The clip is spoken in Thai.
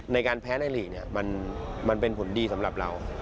ในการแพ้ในหลีกมันเป็นผลดีสำหรับเรา